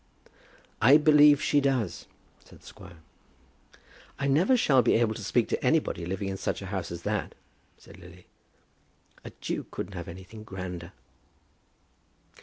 "I believe she does," said the squire. "I never shall be able to speak to anybody living in such a house as that," said Lily. "A duke couldn't have anything grander."